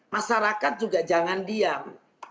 masyarakat juga jangan diam